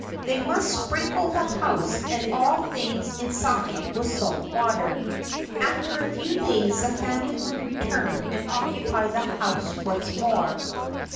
They must sprinkle the house and all things inside with salt water. After a few days the family would return and occupy the house once more.